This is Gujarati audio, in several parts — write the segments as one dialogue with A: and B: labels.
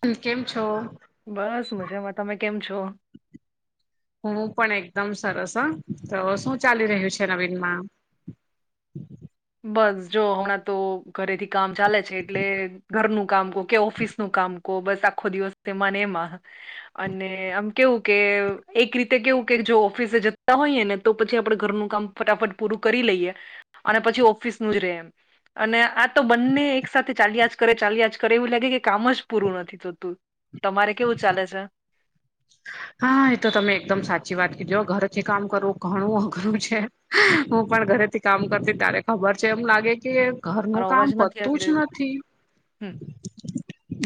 A: કેમ છો?
B: બસ, મજામાં. તમે કેમ છો?
A: હું પણ એકદમ સરસ હો. તો શું ચાલી રહ્યું છે નવીનમાં?
B: બસ જો હમણાં તો ઘરેથી કામ ચાલે છે એટલે ઘરનું કામ કો કે ઓફિસનું કામ કો બસ, આખો દિવસ એમાંને એમાં. અને આમ કેવું કે એક રીતે કેવું કે જો ઓફિસે જતા હોઈએ ને તો પછી આપડે ઘરનું કામ ફટાફટ પૂરું કરી લઈએ. અને પછી ઓફિસનું જ રહે એમ. અને આ તો બંને એક સાથે ચાલ્યા જ કરે ચાલ્યા જ કરે એવું લાગે કે કામ જ પૂરું નથી થતું. તમારે કેવું ચાલે છે?
A: હા, એ તો તમે એકદમ સાચી વાત કીધી હો. ઘરેથી કામ કરવું ઘણું અઘરું છે. હું પણ ઘરેથી કામ કરતી ત્યારે ખબર છે એમ લાગે કે ઘરનું
B: મારો અવાજ
A: કામ
B: નથી
A: કરતું
B: આવી
A: જ
B: રહ્યો.
A: નથી.
B: હમ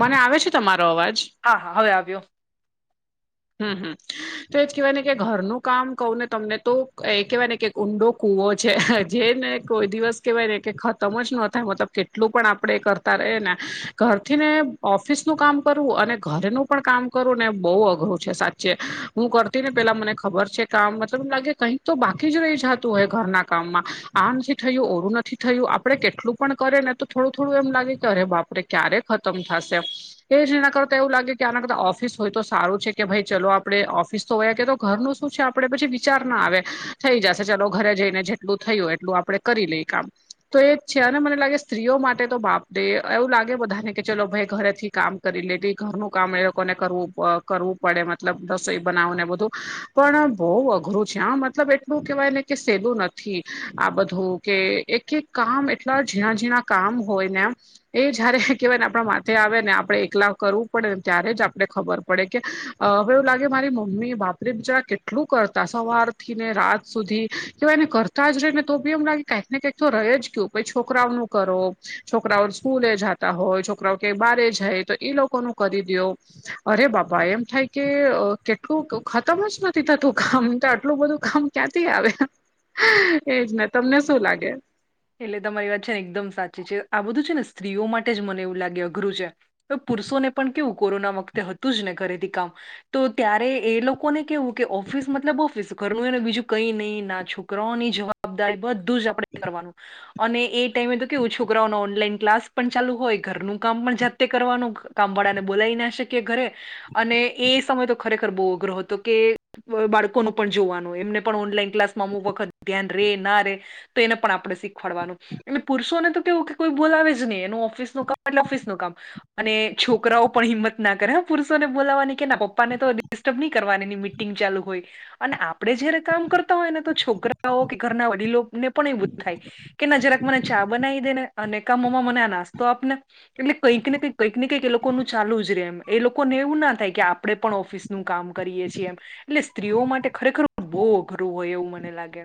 A: મને આવે છે તમારો અવાજ.
B: હા હા. હવે આવ્યો.
A: હમ હમ. તો એજ કેહેવાય ને કે ઘરનું કામ કહું ને તમને તો, એ કેહેવાય ને કે ઊંડો કુવો છે જે ને કોઈ દિવસ કેહેવાય ને કે ખતમ જ ન થાય મતલબ કે ટલુ પણ આપણે કરતા રહીએને. ઘરથી ને ઓફિસનું કામ કરવું અને ઘરેનું નું પણ કામ કરવું ને બહુ અઘરું છે સાચે. હું કરતી ને પેહલા મને ખબર છે કામ મતલબ એમ લાગે કઈક તો બાકી જ રહી જાતું હોય ઘરના કામમાં. આ નથી થયું, ઓલું નથી થયું, આપડે કેટલું પણ કરે ને તો થોડું થોડું એમ લાગે કે અરે બાપરે! ક્યારે ખતમ થશે. એ જ એના કરતા એવું લાગે કે આના કરતા ઓફિસ હોય તો સારું છે કે કે ભાઈ ચલો આપડે ઓફિસ તો હોય કે તો ઘરનું શું છે આપડે પછી વિચાર ના આવે. થઈ જશે ચાલો. ઘરે જઈને જેટલું થયું એટલું આપડે કરી લઈએ કામ. તો એ જ છે. અને મને લાગે સ્ત્રીઓ માટે તો, બાપરે.. એવું લાગે બધાને કે ચલો ભાઈ ઘરેથી કામ કરી લેતી. ઘરનું કામ એ લોકોને કરવું અ કરવું પડે મતલબ રસોઈ બનાવો ને બધું. પણ બહુ અઘરું છે આ હો મતલબ એટલું કેહેવાય ને કે સેલું નથ થી આ બધું. કે એક એક કામ એટલા ઝીણા ઝીણા કામ હોય ને આમ એ જયારે કેહેવાય ને આપણા માથે આવે ને આપડે એકલા કરવું પડેને ત્યારે જ આપણે ખબર પડે કે, હવે એવું લાગે. મારી મમ્મી બાપરી બીજા કેટલું કરતા સવારથી ને રાત સુધી કેહવાય ને ઘર કાલ જેને તો બી એમ લાગે કંઈક ને કઈક તો રહે જ કયું છોકરાઓ નું કરો છોકરાઓ સ્કૂલે જાય. તા હોય છોકરાઓ કે બારે જાય તો એ લોકો નું કરી દો અરે બાબા એમ થાય. કે અ કેટલું ખતમ જ નથી થતું કામ તો આટલું બધું કામ ક્યાંથી આવે. એજ ને તમને શું લાગે.
B: એટલે તમારી વાત છે ને એકદમ સાચી છે આ બધું છે ને સ્ત્રીઓ માટે જ મને એવું લાગે અઘરું છે. પુરુષોને પણ કેવું કોરોના વખતે હતું જ ને ઘરેથી કામ તો ત્યારે એ લોકોને કેવું. કે ઓફિસ મતલબ ઓફિસ. ઘરનું એ ને બીજું કઈ નહી ના છોકરાઓની જવાબદારી બધું જ આપડે કરવાનું. અને એ ટાઈમે તો કેવું છોકરાઓનો ઓનલાઈન ક્લાસ પણ ચાલુ હોય ઘરનું કામ પણ જાતે કરવાનું. કામવાળા ને બોલાવી ના શકીએ ઘરે અને એ સમયે તો ખરેખર બહુ અઘ્રરૂ હતુ કે. તોયે બાળકો ન પણ જોવાનું એમને પણ ઓનલાઈન ક્લાસમાં અમુક વખત ધ્યાન રે ના રે તને આપણા આપણે સખ ભણવાનું એ પુરુોને તો કેવું. કોઈ બોલાવે જ નહી એનું ઓફિસ નું કામ એટલે ઓફિસ નું કામ. અને છોકરાઓ પણ હિંમત ના કરે હ પુરુષોને બોલાવાની કે ના પપ્પાને તો ડિસ્ટર્બ નહી કરવાની ટિંગ ચાલુ હોય. અને આપડે જયારે કામ કરતા હોય ને તો છોકરાઓ કે ઘરના વડીલોને પણ એ બઘુ થાય. કે ના જરાક મને ચા બનાવી દે ને અને કામમાં મને આ નાસ્તા. તો આપને. એટલે કંઈક ને કંઈક કંઈક ને કંઈક એ લોકોનું ચાલુ જ રે એમ એ લોકો ને એવું ના થાય કે આપણેે પણ ઓફિસ. નું કામ કરીએ છીએ એમ એટલે સ્ત્રીઓ માટે ખરેખર બહુ અઘરું હોય એવું મને લાગે.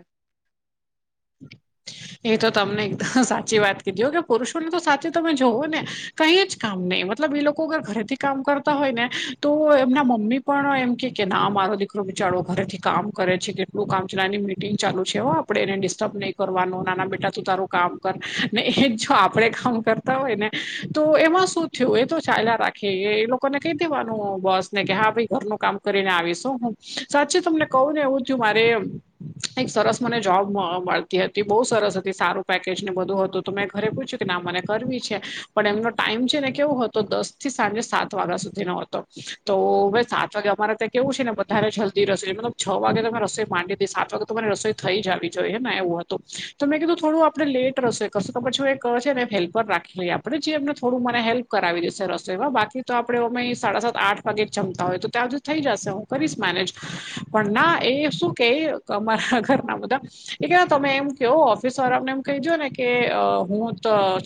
A: એ તો તમને એકદમ સાચી વાત કીધી કે પુરુષોને તો સાચું તમે જોવો ને. કંઈ જ કામ નહી મતલબ એ લોકો અગર ઘરેથી કામ કરતા હોય ને તો એમના મમ્મી. પણ એમ કે ના મારો દીકરો બિચારો ઘરેથી કામ કરે છે કેટલું કામ છે નાની મીટિંગ ચાલુ છે એવો આપ આપણે એને ડિસ્ટર્બ નહીં કરવાનો. નાના બેટા તું તારું કામ કર ને એ જો આપણેે કામ કરતા હોય ને તો એમાં શું. થું એ તો ચાલ્યા રાખે એ લોકો ને કહી દેવાનું બસ ને કે હા ભાઈ ઘરનું કામ કરીને આવીશું હું. સાચી તમને કહું ને એવું થયું મારે એક સરસ મને જોબ મ મળતી હતી. બહુ સરસ હતી સારું પેકેજ ને બધું હતું તો મેં ઘરે પૂછ્યું કે ના મને કરવી છે. પણ એમનો ટાઈમ છે ને કેવો હતો દસ થી સાંજે સાત વાગ્યા સુધીનો હતો તો ભઈ સાત વાગે અમારે ત્યાં કેવું છે ને બધાને જલ્દી રસોઈ મતલબ છ વાગે તો માંડી દી સાત વાગે. તો પણ રસોઈ થઈ જ આવી જોઈ હ ને એવું. તો મેં કીધું થોડું આપણે લેટ રસોઈ કરશું તમે છું એ ને હેલ્પર રાખી લઈ આપણે જે એમને થોડું મને હેલ્પ હું કરાવી દેશે રસોઈમાં બાકી તો આપડે અમે સાડા સાત આઠ વાગે જમતા હોય તો ત્યાં સુધી થઈ જશે હું. કરીશ મેરેજ પણ ના એ શું કે અમારા ઘરના બધા એક આમ. તમે એમ કહો ઓફિસ વાળરામને એમ કહીજો ને કે હું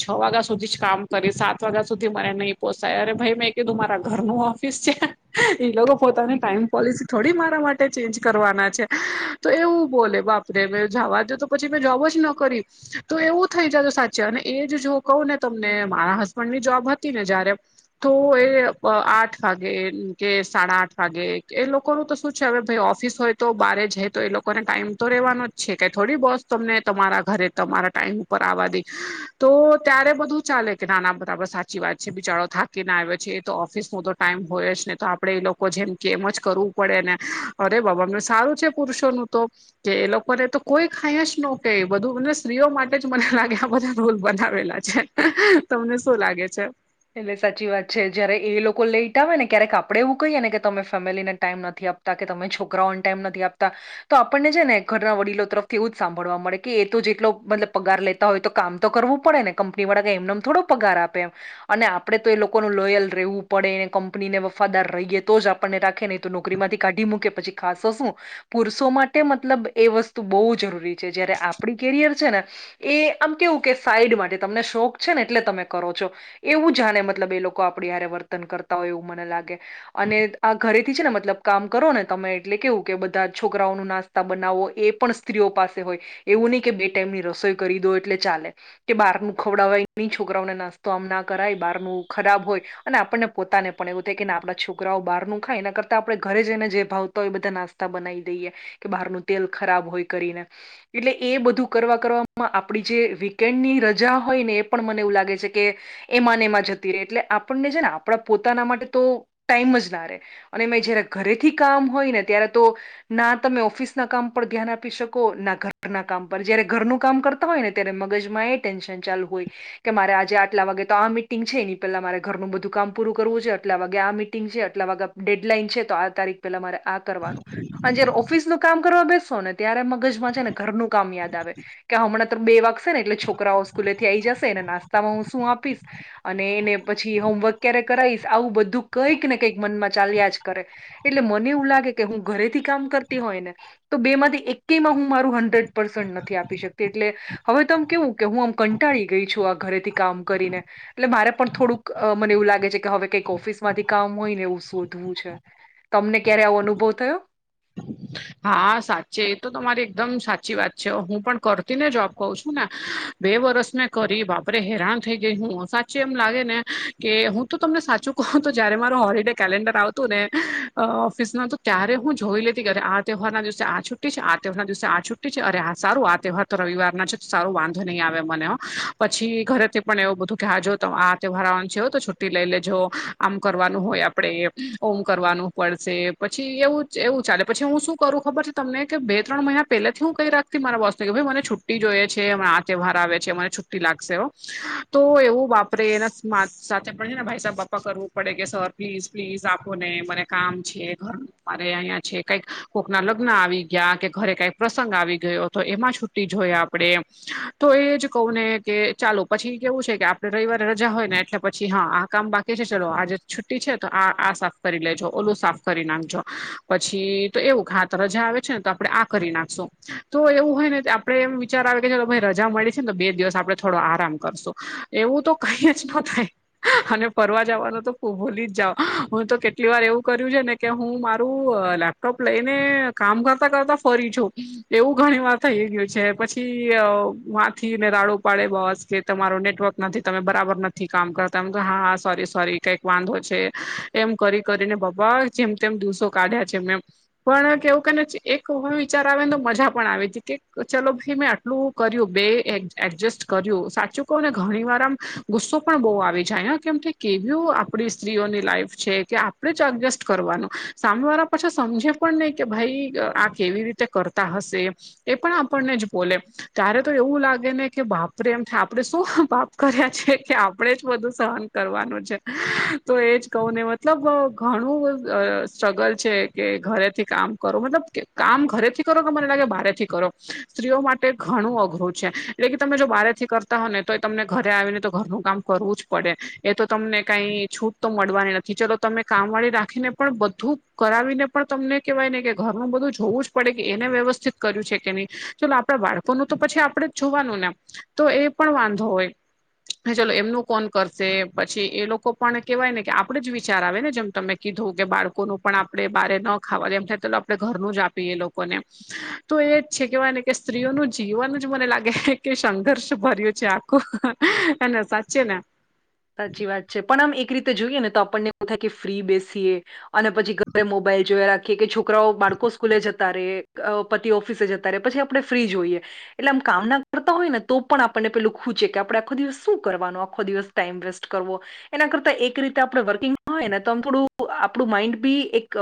A: છ વાગ્યા સુધી જ કામ કરીશ સાત વાગ્યા સુધી મને નઈ પોસાય અરે ભાઈ મેં કીધું મારા ઘરનું ઓફિસ છે. એઈ લોકો ની પોતાની
B: હમ
A: ટાઈમ પોલિસી થોડી મારા માટે ચેન્જ કરવાના છે તો એવું બોલે બાપરે મેં જવા દયો તો પછી મેં જોબ જ ન કરે તો એવું થઈ જત સાચે અને એ જ જો કહું ને તમને મારા હસબન્ડ ની જોબ હતી ને જયારે તો એ આઠ વાગે કે સાડા આઠ વાગે એ લોકો નું તો શું છે હવે ભાઈ ઓફિસ હોય તો બારે જાય તો એ લોકોને ટાઈમ તો રહેવાનો જ છે કે થોડી બોસ તમને તમારા ઘરે તમારા ટાઈમ ઉપર આવવા દે તો ત્યારે બધું ચાલે કે નાના બરાબર સાચી વાત છે બિચારો થાકી ના આવ્યો છે એ તો ઓફિસમાં તો ટાઈમ હોય જ ને તો આપણેે એ લોકો જેમ કે એમ જ કરવું પડે ને અરે બાબા એમનું સારું છે પુરુષોનું તો કે એ લોકો ને તો કોઈ ખાઈ જ ન કે બધું ને સ્ત્રીઓ માટે જ મને લાગે આ બધા રોલ બનાવેલા છે. તમને શું લાગે છે.
B: એટલે સાચી વાત છે જયારે એ લોકો લેઈટ આવે ને ક્યારેક આપડે એવું કહીએ ને કે તમે ફેમિલીને ટાઈમ નથી આપ તા કે તમે છોકરાઓન ટાઈમ નથી આપતા. તો આપણને છે ને ઘરના વડીલો તરફથી એવું જ સાંભળવા મળે કે એ તો જેટલો મતલબ પગાર લે તા હોય તો કામ તો કરવું પડે ને કંપનીવાળા કઈ એમનમ થોડો પગાર આપે એમ. અને આપણેે તો એ લોકોનું લોયલ રહેવું પડે ને કંપનીને વફાદાર રહીએ તો જ આપણને રાખે નહીં તો નોકરીમાંથી કાઢી મૂકે પછી ખાશો શું? પુરુષો માટે મતલબ એ વસ્તુ બઉ જરૂરી છે જયારે આપણી કેરિયર છે ને એ આમ કેવું કે સાઈડ માટે તમને શોખ છે ને એટલે તમે કરો છો. એવું જાણે મતલબ એ લોકો આપણી હારે વર્તન કરતા હોય એવું મને લાગે. અને આ ઘરેથી છે ને મતલબ કામ કરો ને તમે એટલે કેવું કે બધા છોકરાઓનું નાસ્ તા બનાવો એ પણ સ્ત્રીઓ પાસે હોય એવું નહીં કે બે ટાઈમની રસોઈ કરી દો એટલે ચાલે. કે બારનું ખવડાવાય નહીં એ છોકરાઓને નાસ્તો આમ ના કરાય બારનું ખરાબ હોય. અને આપણને પોતાને પણ એવું થાય કે ના આપણા છોકરાઓ બારનું ખાય એના કરતાં આપણે ઘરે જ એને જે ભાવતા હોય એ બધા નાસ્ તા બનાવી દઈએ કે બહારનું તેલ ખરાબ હોય કરીને. એટલે એ બધું કરવા કરવામાં આપણી જે વીકેન્ડની રજા હોય ને એ પણ મને એવું લાગે છે કે એમાંને એમાં જતી રહે એટલે આપણને છે ને આપણા પોતાના માટે તો ટાઈમ જ ના રે. અને એમાંય જયારે ઘરેથી કામ હોય ને ત્યારે તો ના તમે ઓફિસના કામ પર ધ્યાન આપી શકો ના ઘરના કામ પર જયારે ઘરનું કામ કર તા હોય ને ત્યારે મગજમાં એ ટેન્શન ચાલુ હોય કે મારે આજે આટલા વાગે તો આ મિટિંગ છે એની પહેલા મારે ઘરનું બધું કામ પૂરું કરવું છે આટલા વાગે આ મિટિંગ છે આટલા વાગા ડેડલાઈન છે તો આ તારીખ પેલા મારે આ કરવાનું. અને જયારે ઓફિસનું કામ કરવા બેસો ને ત્યારે મગજમાં છે ને ઘરનું કામ યાદ આવે. કે હમણાં તો બે વાગશે ને એટલે છોકરાઓ સ્કૂલેથી આઈ જશે ને નાસ્તામાં હું શું આપીશ. અને એને પછી હોમવર્ક ક્યારે કરાઈશ આવું બધું કંઈક ને કંઈક મનમાં ચાલ્યા જ કરે. એટલે મને એવું લાગે કે હું ઘરેથી કામ કરતી હોય ને તો બેમાંથી એકેયમાં હું મારું હન્ડ્રેડ પર્સન્ટ નથી આપી શકતી એટલે હવે તો આમ કેવું કે હું આમ કંટાળી ગઈ છું આ ઘરેથી કામ કરીને. એટલે મારે પણ થોડુંક અ મને એવું લાગે છે કે હવે કંઈક ઓફિસમાંથી કામ હોય ને એવું શોધવું છે. તમને ક્યારે આવો અનુભવ થયો?
A: હા સાચે એ તો તમારી એકદમ સાચી વાત છે, હું પણ કરતી ને જોબ કઉ છું ને. બે વરસ મેં કરી બાપરે હેરાન થઈ ગઈ હું સાચે એમ લાગે ને કે હું તો તમને સાચું કઉ તો જયારે મારો હોલિડે કેલેન્ડર આવતું ને ઓફિસનું ત્યારે હું જોઈ લેતી કે અરે આ તહેવારના દિવસે આ છુટ્ટી છે, આ તહેવારના દિવસે આ છુટી છે, અરે! આ સારું આ તહેવાર તો રવિવારના છે. સારું વાંધો નહીં આવે મને હ પછી ઘરેથી પણ એવું બધું કે આ જો તહેવાર આવાન છે હ તો છુ લઈ લેજો આમ કરવાનું હોય આપડે ઓમ કરવાનું પડશે પછી એવું એવું ચાલે પછી હું શું કરું ખબર છે તમને કે બે ત્રણ મહિના પહેલાથી હું કઈ રાખતી મારા બોસને કે ભઈ મને છુટ્ટી જોઈએ છે અમે આ તહેવાર આવે છે મને છુટ્ટી લાગશે હો તો એવું બાપરે એના સાથે પણ છે ને ભાઈ સાહેબ બાપ્પા કરવું પડે કે સર પ્લીઝ પ્લીઝ આપો ને મને કામ છે ઘર મારે અહિયાં છે કાઈક કોકના લગ્ન આવી ગયા કે ઘરે કઈ પ્રસંગ આવી ગયો તો એમાં છુટી જોઈ આપણે. તો એજ કઉ ને કે ચાલો પછી કેવું છે કે આપડે રવિવારે રજા હોય ને એટલે પછી હા આ કામ બા કે છે ચલો આજે છુટ્ટી છે તો આ આ સાફ કરી લેજો, ઓલું સાફ કરી નાખજો પછી તો એવું કે હા તો રજા આવે છે ને તો આપણેે આ કરી નાખશુ તો એવું હોય ને તો આપણે એમ વિચાર આવે કે છે ભઈ રજા મયળી છે ને તો બે દિવસ આપણે થોડો આરામ કરશું એવું તો કાઈ જ ન થાય. અને ફરવા જાવાનું તો ભોલી જ જાવ હું તો કેટલી વાર એવું કર્યું છે ને કે હું મારું લેપટોપ લઈને કામ કરતાં કરતાં ફરી છું. એવું ઘણી વાર થઈ ગયું છે પછી વાથી ને રાડું પાડે બોસ કે તમારું નેટવર્ક નથી તમે બરાબર નથી કામ કરતા મેં કીધું કે હા સોરી સોરી કઈક વાંધો છે. એમ કરી કરીને બાપા જેમ તેમ દૂસો કાઢ્યા છે મેં. પણ કેવું કે ને એક વિચાર આવે ને તો મજા પણ આવે ત કે ચલો ભાઈ મેં એટલું કર્યું બે એડ એડજસ્ટ કર્યું સાચું કવને ઘણી વાર આમ ગુસ્સો પણ બો આવી જાય આમ. કેમ કે કેવી યો આપણી સ્ત્રીઓની લાઈફ છે કે આપણેે જ એડજસ્ટ કરવાનું સામે વાળા પાછા હમજે પણ નય કે ભાઈ આ કેવી રીતે કરતા હશે. એ પણ આપણને જ બોલે ત્યારે તો એવું લાગે ને કે બાપરે એમ આપડે શું પાપ કર્યા છે કે આપણેે જ બધું સહન કરવાનું છે તો એજ કહું ને વધ મતલબ ઘણું અ સ્ટ્રગલ છે. કે ઘરેથી કામ કરો મતલબ કામ ઘરેથી કરો કે મને લાગે બારેથી કરો સ્ત્રીઓ માટે ઘણું અઘરું છે એટલે કે તમે જો બારે થી કરતા હો ને તો તમને ઘરે આવીને તો ઘરનું કામ કરવું જ પડે એ તો તમને કાઈ છૂટ તો મળવાની નથી ચલો તમે કામવાળી રાખીને પણ બધું કરાવીને પણ તમને કેહવાય ને કે ઘરનું બધું જોવું જ પડે કે એને વ્યવસ્થિત કર્યું છે કે નય. ચલો આપણા બાળકોનું તો પછી આપણેે જ જોવાનું ને તો એ પણ વાંધો હોય. ચલો એમનું કોણ કરશે પછી એ લોકો પણ કેવાય ને કે આપડે જ વિચાર આવે ને જેમ તમને કીધું કે બાળકોનું પણ આપણે બારે ન ખાવા દય એમ કે આપણે ઘરનું જ આપીએ એ લોકોને તો એજ છે કેહવાય ને કે સ્ત્રીઓનું જીવન જ મને લાગે કે સંઘર્ષ ભર્યું છે આ. હા ને સાચુ ને.
B: સાચી વાત છે પણ આમ એક રીતે જોઈએ ને તો આપણને એવું થાય કે ફ્રી બેસીએ. અને પછી ઘરે મોબાઈલ જોયા ક કે કે છોકરાઓ બાળકો સ્કૂલે જતા રેય, પતિ ઓફિસે જતા રેય પછી આપણે ફ્રી જ હોઈએ. એટલે આમ કામના કરતા હોય ને તો પણ આપણને પેલું ખૂચે કે આપણે આખો દિવસ શું કરવાનું. આખો દિવસ ટાઈમ વેસ્ટ કરવો. એના કરતા એક રીતે આપણે વર્કિંગ માં હોય ને તો આમ થોડું આપણું માઈન્ડ બી એક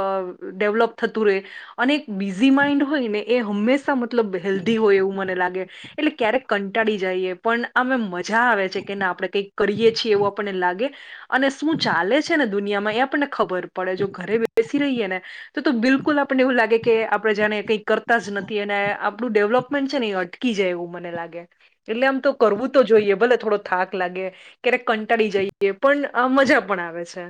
B: ડેવલોપ થતું રેય અને એક બીઝી માઇન્ડ હોય ને એ હંમેશા મ મતલબ હેલ્ધી હોય એવું મને લાગે. એટલે ક્યારેક કંટાળી જઈએ પણ આમ મજા આવે છે કે ના આપણે કંઈક કરીએ છીએ એવું આપણને લાગે અને શું ચાલે છે ને દુનિયામાં એ આપણને ખબર પડે. જો ઘરે બેસી રહીએ ને તો તો બિલકુલ આપણને એવું લાગે કે આપણે જાને કંઈ કરતા જ નથી અને આપણું ડેવલપમેન્ટ છે ને અટકી જાય એવું મને લાગે એટલે આમ તો કરવું તો જોઈએ ભલે થોડો થાક લાગે. ક્યારેક કંટાળી જઈએ પણ મજા પણ આવે છે.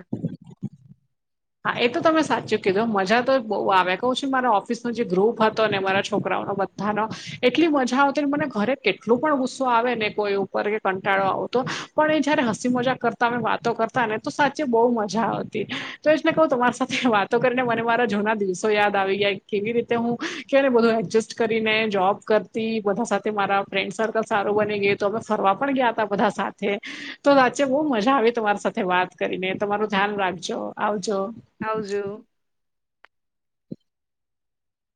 A: હા એ તો તમે સાચું કીધૂ મજા તો બો આવે કવ છું કે મારા ઓફિસનો જે ગ્રુપ હતો ને મારા છોકરાઓનો હા ના એટલી મજા આવતીને મને ઘરે કેટલુ પણ ગુસ્સો આવે ને કોઈ ઉપર કે કંટાળો આવતો પણ એ જયારે હસી મજાક કરતા અમે વાતો કરતા ને તો સાચે બો મજા આવતી. તે જ ને કહું તમારી સાથે વાતો કરીને મને મારા જૂના દિવસો યાદ આવી ગયા. કેવી રીતે હું કે ને બધું એડજસ્ટ કરીને, જોબ કરતી બધા સાથે મારા ફ્રેન્ડ સર્કલ સારું બની ગયુ. તો અમે ફરવા પણ ગીયા તા બધા સાથે. તો વાચે બો મજા આવી તમારી સાથે વાત કરીને તમારું ધ્યાન રાખજો આવજો.
B: આવજો.